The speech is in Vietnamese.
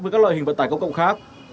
đây là loại hình vận tải công cộng khác